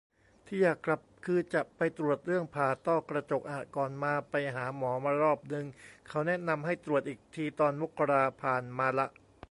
ที่อยากกลับคือจะไปตรวจเรื่องผ่าต้อกระจกอะ ก่อนมาไปหาหมอมารอบนึง เขาแนะนำให้ตรวจอีกทีตอนมกรา ผ่านมาละ